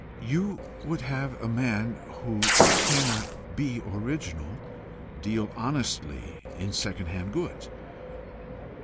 "You would have a man who cannot be original, deal honestly in second hand goods.